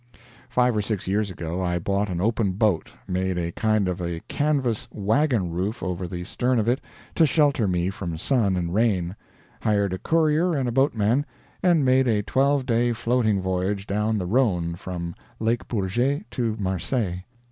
Five or six years ago I bought an open boat, made a kind of a canvas wagon roof over the stern of it to shelter me from sun and rain; hired a courier and a boatman, and made a twelve day floating voyage down the Rhone from Lake Bourget to Marseilles.